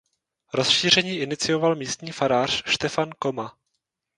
Rozšíření inicioval místní farář Štefan Koma.